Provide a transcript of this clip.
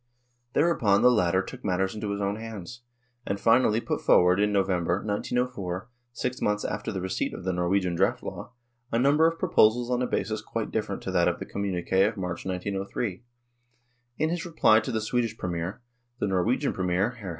Thereupon the latter took matters into his own hands, and, finally, put forward in November, 1904 six months after the receipt of the Norwegian draft law a number of proposals on a basis quite different to that of the Communique of March, 1903. In his reply to the Swedish Premier, the Norwegian Premier, Hr.